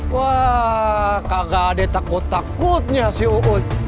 wah kagade takut takutnya si uud